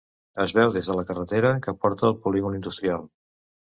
Es veu des de la carretera que porta al polígon industrial.